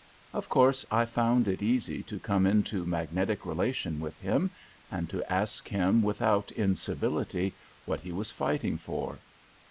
Of course I found it easy to come into magnetic relation with him, and to ask him without incivility what he was fighting for.